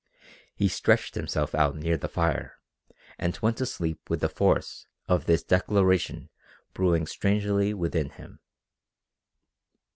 He stretched himself out near the fire and went to sleep with the force of this declaration brewing strangely within him.